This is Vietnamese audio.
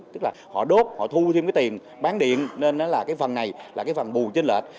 tức là họ đốt họ thu thêm cái tiền bán điện nên là cái phần này là cái phần bù trên lệch